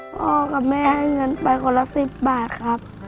พ่อกับแม่ให้เงินไปคนละ๑๐บาทครับ